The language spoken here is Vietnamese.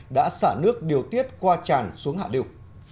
đã xả nước điều tiết qua tràn xuống hạ liều